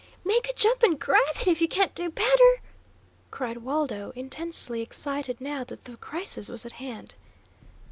"Make a jump and grab it, if you can't do better!" cried Waldo, intensely excited now that the crisis was at hand.